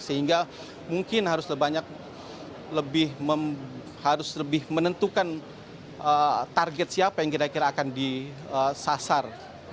sehingga mungkin harus lebih menentukan target siapa yang kira kira akan disasar